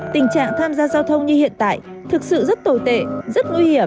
tình trạng tham gia giao thông như hiện tại thực sự rất tồi tệ rất nguy hiểm